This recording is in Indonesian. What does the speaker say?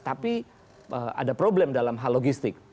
tapi ada problem dalam hal logistik